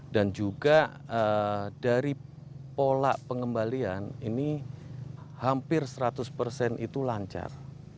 dan juga dari pola pengembalian ini hampir seratus persen itu lancar